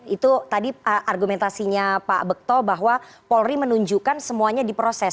itu tadi argumentasinya pak bekto bahwa polri menunjukkan semuanya diproses